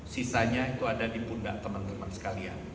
sisanya itu ada di pundak teman teman sekalian